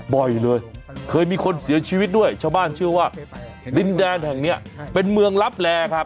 บ่อยเลยเคยมีคนเสียชีวิตด้วยชาวบ้านเชื่อว่าดินแดนแห่งเนี้ยเป็นเมืองลับแลครับ